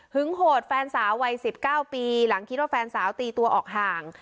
โหดแฟนสาววัย๑๙ปีหลังคิดว่าแฟนสาวตีตัวออกห่าง